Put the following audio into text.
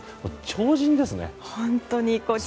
超人ですね。